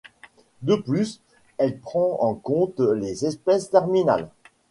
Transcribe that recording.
De plus, elle prend en compte les espèces terminales.